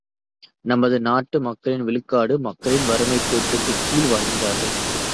நமது நாட்டு மக்களில் விழுக்காட்டு மக்கள் வறுமைக்கோட்டுக்குக் கீழ் வாழ்கிறார்கள்.